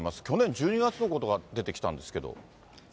去年１２月のことが出てきたんですけど。